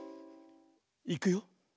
いくよ。